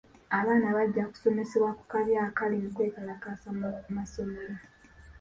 Abaana bajja kusomesebwa ku kabi akali mu kwekalakaasa mu masomero.